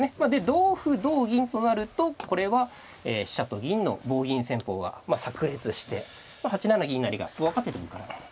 同歩同銀となるとこれは飛車と銀の棒銀戦法がさく裂して８七銀成が分かってても受からない。